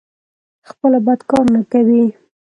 خپله بد کار نه کوي.